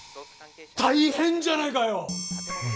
大変じゃないかよ！